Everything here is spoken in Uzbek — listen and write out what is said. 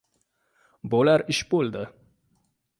Bo‘lar ish bo‘ldi.